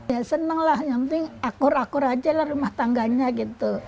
ya senang lah yang penting akur akur aja lah rumah tangganya gitu